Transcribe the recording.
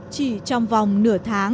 chỉ trong vòng nửa tháng